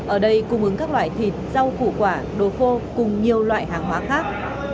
ở đây cung ứng các loại thịt rau củ quả đồ khô cùng nhiều loại hàng hóa khác